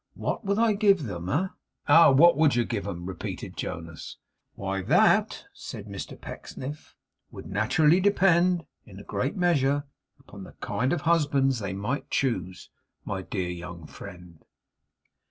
What would I give them? Eh?' 'Ah! what would you give 'em?' repeated Jonas. 'Why, that, 'said Mr Pecksniff, 'would naturally depend in a great measure upon the kind of husbands they might choose, my dear young friend.